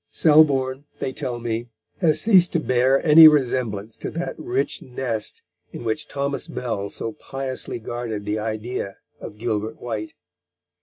Selborne, they tell me, has ceased to bear any resemblance to that rich nest in which Thomas Bell so piously guarded the idea of Gilbert White.